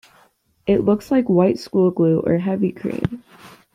It looks like white school glue or heavy cream.